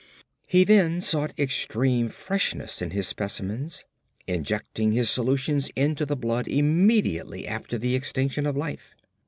He then sought extreme freshness in his specimens, injecting his solutions into the blood immediately after the extinction of life.